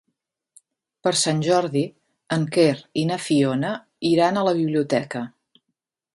Per Sant Jordi en Quer i na Fiona iran a la biblioteca.